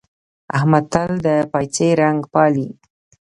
احمد تل د پايڅې رنګ پالي.